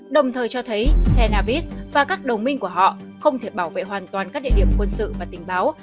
đồng thời cho thấy tel avis và các đồng minh của họ không thể bảo vệ hoàn toàn các địa điểm quân sự và tình báo